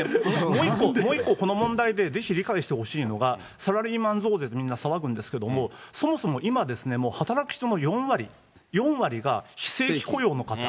もう一個、この問題でぜひ理解してほしいのが、サラリーマン増税ってみんな騒ぐんですけれども、そもそも今ですね、働く人の４割、４割が非正規雇用の方。